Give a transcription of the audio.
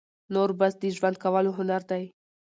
نور بس د ژوند کولو هنر دى،